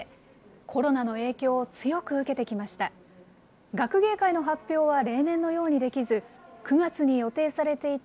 コロナの影響を強く受けてきました。